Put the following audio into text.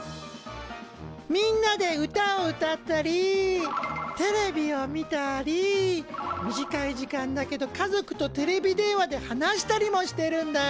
みんなで歌を歌ったりテレビを見たり短い時間だけど家族とテレビ電話で話したりもしてるんだよ。